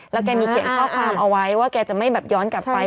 แล้วแกมีเขียนข้อความเอาไว้ว่าแกจะไม่แบบย้อนกลับไป